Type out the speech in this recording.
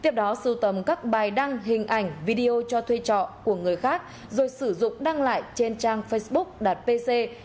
tiếp đó sưu tầm các bài đăng hình ảnh video cho thuê trọ của người khác rồi sử dụng đăng lại trên trang facebook đặt pc